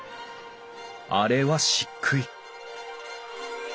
あれは漆喰！